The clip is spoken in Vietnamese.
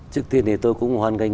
trước tiên thì tôi cũng hoan nghênh